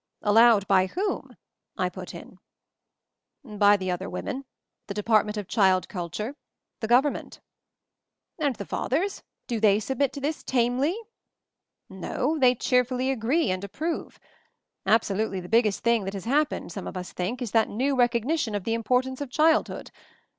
"Allowed by whom?" I put in. MOVING THE MOUNTAIN 105 "By the other women — the Department of Child Culture — the Government." "And the fathers — do they submit to this, tamely?" "No; they cheerfully agree and approve. Absolutely the biggest thing that has hap pened, some of us think, is that new recog nition of the importance of childhood.